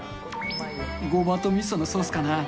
ごまとみそのソースかな？